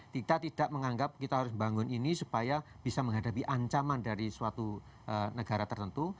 kita tidak menganggap kita harus membangun ini supaya bisa menghadapi ancaman dari suatu negara tertentu